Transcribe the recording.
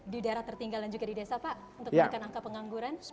di daerah tertinggal dan juga di desa pak untuk menekan angka pengangguran